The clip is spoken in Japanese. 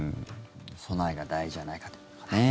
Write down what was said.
備えが大事じゃないかということですね。